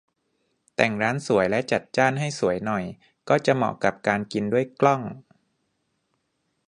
แต่งร้านสวยและจัดจานให้สวยหน่อย ก็จะเหมาะกับการกินด้วยกล้อง